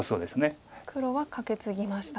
黒はカケツギました。